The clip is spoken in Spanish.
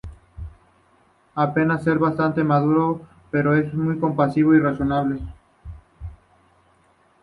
Aparenta ser bastante maduro pero es muy compasivo y razonable.